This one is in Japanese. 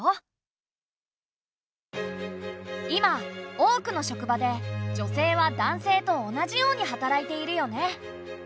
今多くの職場で女性は男性と同じように働いているよね。